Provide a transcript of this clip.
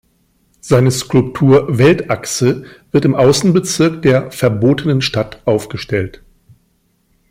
Seine Skulptur „Weltachse“ wird im Außenbezirk der „Verbotenen Stadt“ aufgestellt.